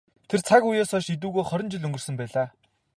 Тэр цаг үеэс хойш эдүгээ хорин жил өнгөрсөн байлаа.